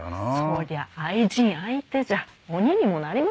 そりゃ愛人相手じゃ鬼にもなりますよ。